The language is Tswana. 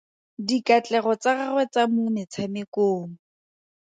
Dikatlego tsa gagwe tsa mo metshamekong.